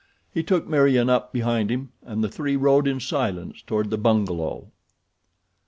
He took Meriem up behind him and the three rode in silence toward the bungalow. XIX.